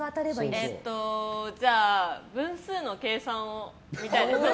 じゃあ分数の計算を見たいです。